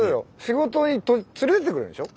仕事に連れていってくれるんでしょ？